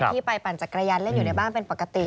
ที่ไปปั่นจักรยานเล่นอยู่ในบ้านเป็นปกติ